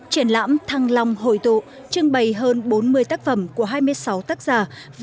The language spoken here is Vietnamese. triển lãm thăng long hội tụ trưng bày hơn bốn mươi tác phẩm của hai mươi sáu tác giả